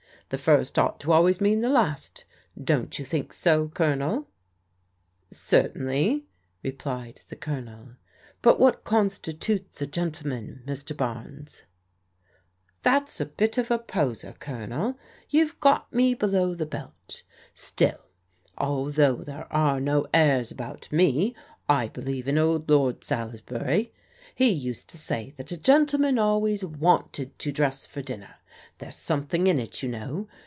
The first ought always to mean the last. Don't you think so. Colonel ?" "Certainly," replied the Colonel; "but what consti tutes a gentleman, Mr. Barnes ?"That's a bit of a poser, Colonel. You've got me be low the belt. Still, although there are no airs about me, I believe in old Lord Salisbury. He used to say that a gentleman always wanted to dress for dinner. There's something in it, you know.